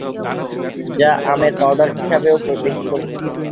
যা আমের পাউডার হিসাবেও বেশি পরিচিত।